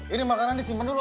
ini makanan disimpan dulu